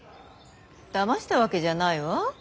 だましたわけじゃないわ。